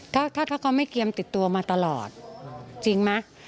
ถ้าถ้าเขาไม่เกียมติดตัวมาตลอดจริงไหม